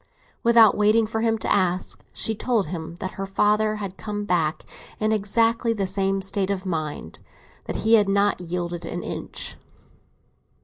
Without waiting for him to ask, she told him that her father had come back in exactly the same state of mind—that he had not yielded an inch.